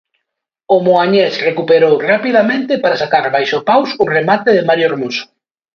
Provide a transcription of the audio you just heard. O moañés recuperou rapidamente para sacar baixo paus un remate de Mario Hermoso.